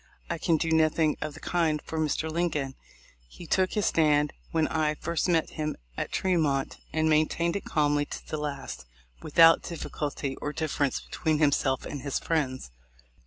I can do nothing of the kind for Mr. Lincoln. He took his stand when I first met him at Tremont, and maintained it calmly to the last, without difficulty or difference between himself and his friends.